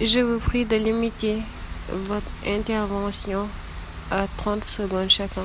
Je vous prie de limiter votre intervention à trente secondes chacun.